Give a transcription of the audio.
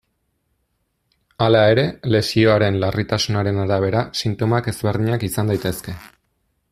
Hala ere, lesioaren larritasunaren arabera sintomak ezberdinak izan daitezke.